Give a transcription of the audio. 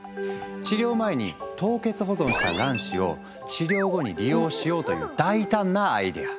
治療前に凍結保存した卵子を治療後に利用しようという大胆なアイデア。